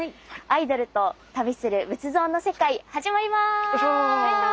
「アイドルと旅する仏像の世界」始まります！